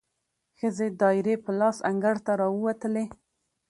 ښځې دایرې په لاس انګړ ته راووتلې،